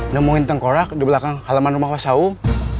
nemuin tengkorak di belakang halaman rumah mas aum